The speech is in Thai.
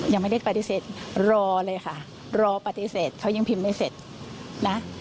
ยังไม่ได้ปฏิเสธรอเลยค่ะรอปฏิเสธเขายังพิมพ์ไม่เสร็จนะ